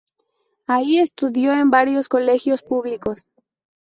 Ahí estudió en varios colegios públicos.